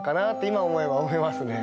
今思えば思いますね。